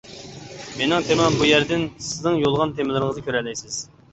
مېنىڭ تېمام-بۇ يەردىن سىزنىڭ يوللىغان تېمىلىرىڭىزنى كۆرەلەيسىز.